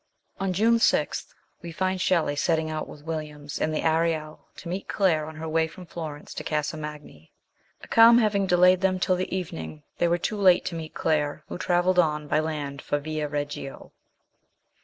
On June 6 we find Shelley setting out with Williams in the Ariel to meet Claire on her way from Florence to Casa Magni. A calm having delayed them till the even ing, they were too late to meet Claire, who travelled on by land for Via Reggio.